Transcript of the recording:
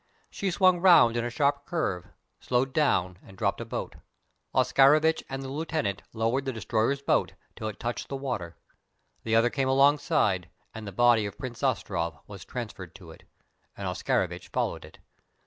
She swung round in a sharp curve, slowed down and dropped a boat. Oscarovitch and the lieutenant lowered the destroyer's boat till it touched the water. The other came alongside, and the body of Prince Zastrow was transferred to it, and Oscarovitch followed it.